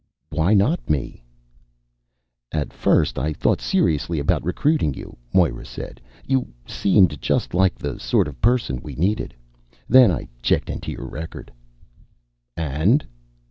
"Why not me?" "At first I thought seriously about recruiting you," Moera said. "You seemed like just the sort of person we needed. Then I checked into your record." "And?"